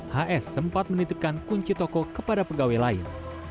hs sempat menitipkan kunci toko kepada pegawai lain